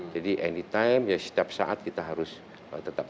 jadi anytime setiap saat kita harus tetap